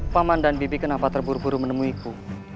paman dan bibi kenapa terburu buru menemuiku